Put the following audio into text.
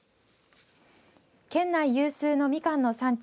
県内有数のみかんの産地